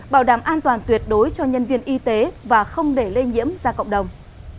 bảo đảm an toàn tuyệt đối cho nhân viên y tế và không để lây nhiễm ra cộng đồng